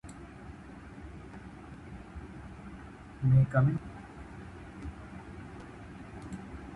Shortly after she was signed with Universal, her father Frank Baskette committed suicide.